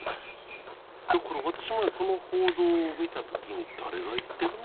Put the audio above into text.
だから私もこの報道を見た時に誰が言っているの？